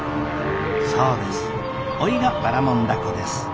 そうですおいがばらもん凧です。